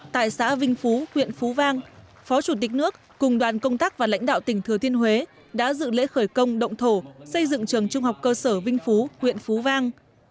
tại xã vinh phú huyện phú vang phó chủ tịch nước cùng đoàn công tác và lãnh đạo tỉnh thừa thiên huế đã dự lễ khởi công động thổ xây dựng trường trung học cơ sở vinh phú huyện phú vang